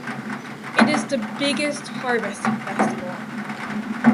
It is the biggest harvesting festival.